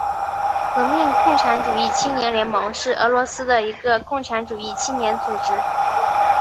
革命共产主义青年联盟是俄罗斯的一个共产主义青年组织。